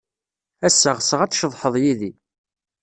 Ass-a, ɣseɣ ad tceḍḥed yid-i.